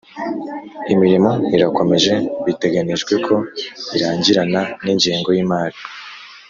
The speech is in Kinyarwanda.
Imirimo irakomeje biteganijwe ko irangirana n ingengo y imari